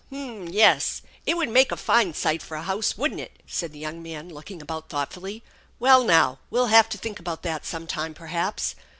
"H'm! Yes. It would make a fine site for a house, wouldn't it? " said the young man, looking about thoughtfully. "Well, now, we'll have to think about that sometime, per haps.